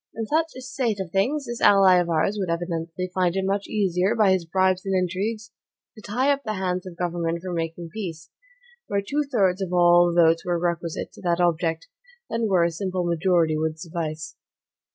In such a state of things, this ally of ours would evidently find it much easier, by his bribes and intrigues, to tie up the hands of government from making peace, where two thirds of all the votes were requisite to that object, than where a simple majority would suffice.